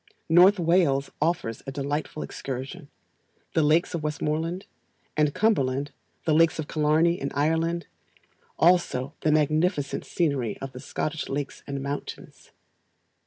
North Wales offers a delightful excursion; the lakes of Westmoreland and Cumberland; the lakes of Killarney, in Ireland; also the magnificent scenery of the Scottish lakes and mountains.